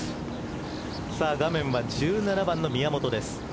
画面は１７番の宮本です。